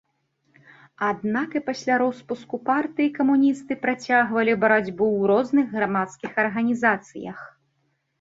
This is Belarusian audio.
Аднак і пасля роспуску партыі камуністы працягвалі барацьбу ў розных грамадскіх арганізацыях.